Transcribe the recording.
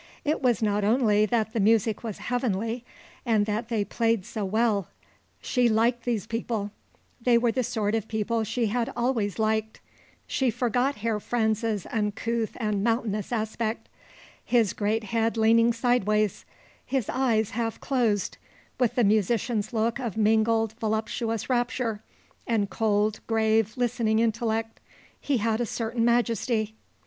It was not only that the music was heavenly and that they played so well. She liked these people; they were the sort of people she had always liked. She forgot Herr Franz's uncouth and mountainous aspect. His great head leaning sideways, his eyes half closed, with the musician's look of mingled voluptuous rapture and cold, grave, listening intellect, he had a certain majesty.